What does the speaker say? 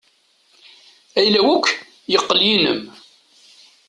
Ayla-w akk yeqqel yinem.